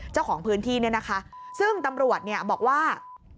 เจ้าของพื้นที่เนี่ยนะคะซึ่งตำรวจเนี่ยบอกว่า